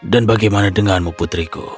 dan bagaimana denganmu putriku